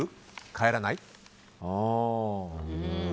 帰らない？